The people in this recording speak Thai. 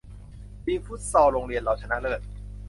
ทีมฟุตซอลโรงเรียนเราชนะเลิศ